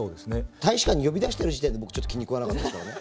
大使館に呼び出してる時点で僕ちょっと気に食わなかったんですよね。